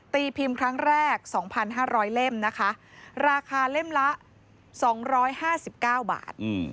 พิมพ์ครั้งแรก๒๕๐๐เล่มนะคะราคาเล่มละ๒๕๙บาท